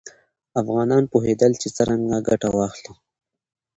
افغانان پوهېدل چې څرنګه ګټه واخلي.